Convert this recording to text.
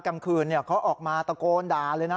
กลางคืนเขาออกมาตะโกนด่าเลยนะ